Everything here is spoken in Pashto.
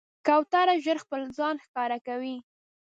کوتره ژر خپل ځان ښکاره کوي.